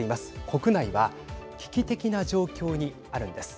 国内は危機的な状況にあるんです。